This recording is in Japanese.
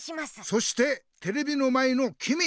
そしてテレビの前のきみ！